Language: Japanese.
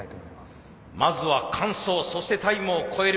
まずは完走そしてタイムを超える。